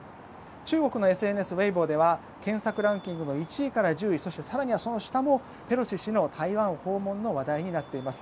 中国のＳＮＳ、ウェイボーでは検索ランキングの１位から１０位そして更にはその下もペロシ氏の台湾訪問の話題になっています。